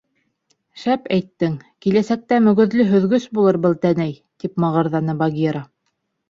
— Шәп әйттең, киләсәктә мөгөҙлө һөҙгөс булыр был тәнәй, — тип мығырҙаны Багира.